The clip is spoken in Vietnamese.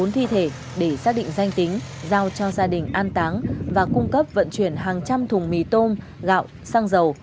bốn thi thể để xác định danh tính giao cho gia đình an táng và cung cấp vận chuyển hàng trăm thùng mì tôm gạo xăng dầu